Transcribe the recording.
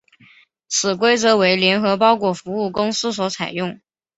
此规则为联合包裹服务公司所采用。